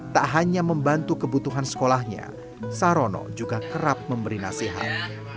tak hanya membantu kebutuhan sekolahnya sarono juga kerap memberi nasihat